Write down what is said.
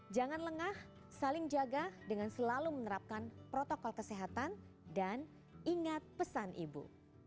jangan lengah saling jaga dengan selalu menerapkan protokol kesehatan dan ingat pesan ibu